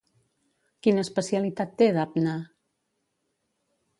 Quina especialitat té Dabne?